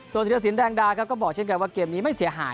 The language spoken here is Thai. โซนธิรศิลป์แดงดาก็บอกเช่นกันว่าเกมนี้ไม่เสียหาย